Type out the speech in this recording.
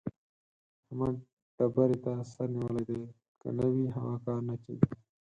احمد ډبرې ته سر نيولی دی؛ که نه وي هغه کار نه کېږي.